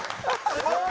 すごい。